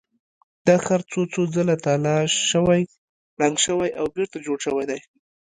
دا ښار څو څو ځله تالا شوی، ړنګ شوی او بېرته جوړ شوی دی.